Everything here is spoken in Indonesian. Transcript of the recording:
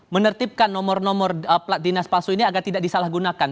menertibkan nomor nomor dinas palsu ini agar tidak disalahgunakan